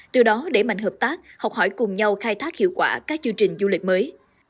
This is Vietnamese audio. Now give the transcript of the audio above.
từ đó để mạnh hợp tác học hỏi cùng nhau khai thác hiệu quả các chương trình du lịch mới